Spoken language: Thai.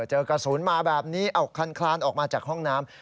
เจอกระสุนมาแบบนี้เอาคันคลานออกมาจากห้องน้ำ